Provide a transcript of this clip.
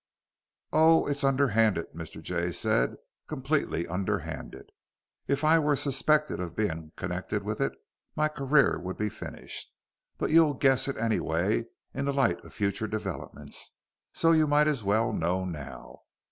"Oh, it's underhanded," Mr. Jay said, "completely underhanded. If I were suspected of being connected with it, my career would be finished. But you'll guess it anyway, in the light of future developments; so you might as well know now.